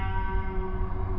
aku mau lihat